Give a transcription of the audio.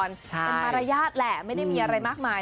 เป็นมารยาทแหละไม่ได้มีอะไรมากมาย